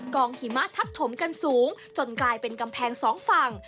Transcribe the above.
หิมะทับถมกันสูงจนกลายเป็นกำแพงสองฝั่ง